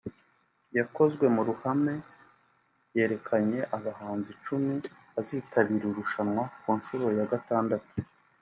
yakozwe mu ruhame yerekanye abahanzi icumi bazitabira irushanwa ku nshuro ya Gatandatu